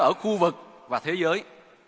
ở khu vực và thế giới